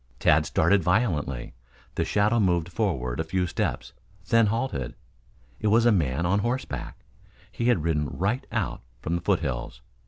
Tad started violently. The shadow moved forward a few steps, then halted. It was a man on horseback. He had ridden right out from the foothills.